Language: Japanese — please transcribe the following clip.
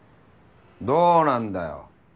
どうなんだよ？